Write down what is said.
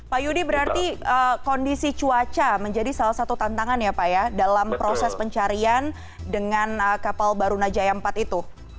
pak yudi berarti kondisi cuaca menjadi salah satu tantangan ya pak ya dalam proses pencarian dengan kapal barunajaya empat itu